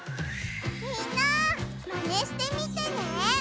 みんなマネしてみてね！